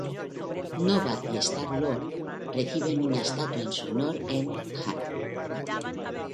Nova y Star-Lord reciben una estatua en su honor en Hala.